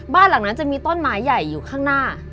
บ้านหลังนั้นจะมีต้นไม้ใหญ่อยู่ข้างหน้า